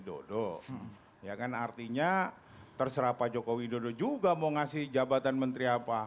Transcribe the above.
dodo ya kan artinya terserah pak jokowi dodo juga mau ngasih jabatan menteri apa